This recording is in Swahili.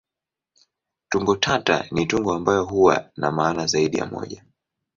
Tungo tata ni tungo ambayo huwa na maana zaidi ya moja.